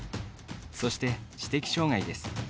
そして、知的障がいです。